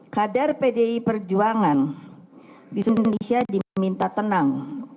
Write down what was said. kader pdi perjuangan di indonesia diminta tenang